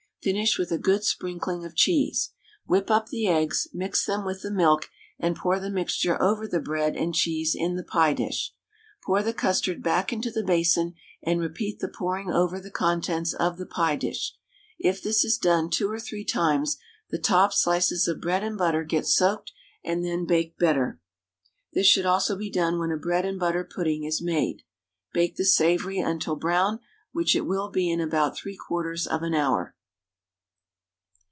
Finish with a good sprinkling of cheese. Whip up the eggs, mix them with the milk and pour the mixture over the bread and cheese in the pie dish. Pour the custard back into the basin, and repeat the pouring over the contents of the pie dish. If this is done 2 or 3 times the top slices of bread and butter get soaked and then bake better. This should also be done when a bread and butter pudding is made. Bake the savoury until brown, which it will be in about 3/4 of an hour.